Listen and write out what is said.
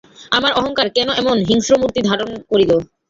আমার অহংকার কেন এমন হিংস্রমূর্তি ধারণ করিল।